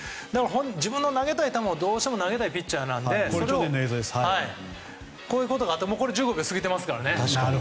自分の投げたい球をどうしても投げたいピッチャーなのでこれも１５秒過ぎてますからね。